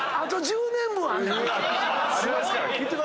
ありますから。